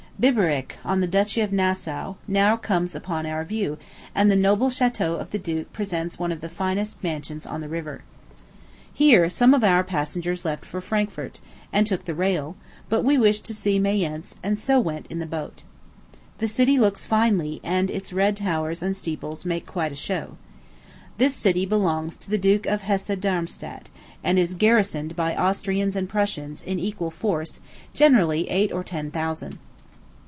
Biberich, on the duchy of Nassau, now comes upon our view; and the noble château of the duke presents one of the finest mansions on the river. Here some of our passengers left for Frankfort, and took the rail; but we wished to see Mayence, and so went in the boat. The city looks finely, and its red towers and steeples make quite a show. This city belongs to the Duke of Hesse Darmstadt, and is garrisoned by Austrians and Prussians, in equal force, generally eight or ten thousand.